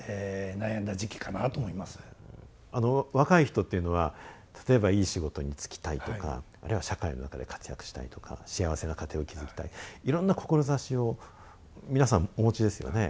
若い人っていうのは例えばいい仕事に就きたいとかあるいは社会の中で活躍したいとか幸せな家庭を築きたいいろんな志を皆さんお持ちですよね？